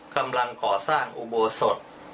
กำลังก่อสร้างอุโบสถ